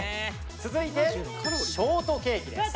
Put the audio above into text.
続いてショートケーキです。